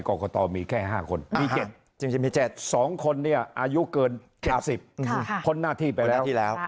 กรกตมีแค่ห้าคนมีเจ็ดสองคนเนี่ยอายุเกิน๗๐คนหน้าที่ไปแล้ว